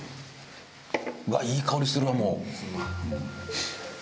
うわっいい香りするわもう。